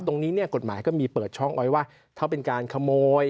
ตรงนี้เนี่ยกฎหมายก็มีเปิดช่องไว้ว่าถ้าเป็นการขโมย